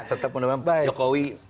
tetap menemukan jokowi